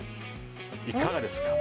いかがですか？